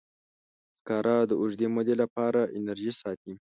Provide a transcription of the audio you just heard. سکاره د اوږدې مودې لپاره انرژي ساتي.